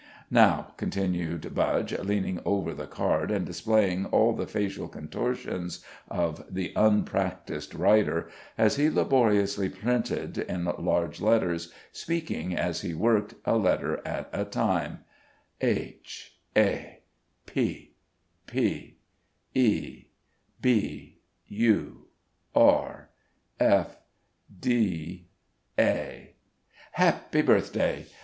"Now," continued Budge, leaning over the card, and displaying all the facial contortions of the unpracticed writer, as he laboriously printed, in large letters, speaking, as he worked, a letter at a time: "H A P P E B U R F D A Happy Birthday.